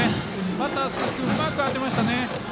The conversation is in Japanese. バッター、鈴木君うまく当てましたね。